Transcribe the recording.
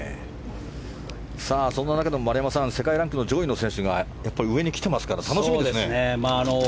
そんな中でも世界ランク上位の選手が上にきていますから楽しみですね。